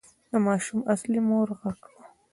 د ماشوم اصلي مور غږ کړ.